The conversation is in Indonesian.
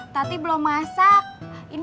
lagi kan deket ini